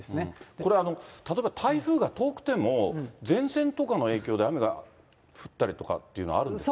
これは例えば台風が遠くても、前線とかの影響で雨が降ったりとかっていうのはあるんですか？